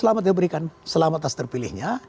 selamat diberikan selamat atas terpilihnya